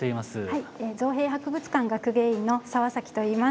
はい造幣博物館学芸員の澤といいます。